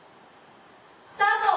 スタート！